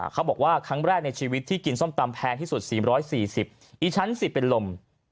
เขาบอกว่าครั้งแรกในชีวิตที่กินส้มตำแพงที่สุด๔๔๐อีชั้น๑๐เป็นลม